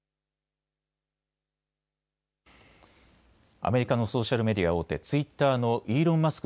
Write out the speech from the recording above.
アメリカのソーシャルメディア大手、ツイッターのイーロン・マスク